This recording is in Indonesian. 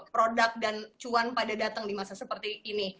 produk dan cuan pada datang di masa seperti ini